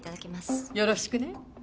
よろしくね。